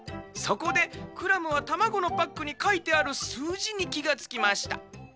そこでクラムはたまごのパックにかいてあるすうじにきがつきました。